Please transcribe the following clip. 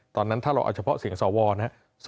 ตอนนั้นถ้าเราเอาเฉพาะเสียงสวนะครับ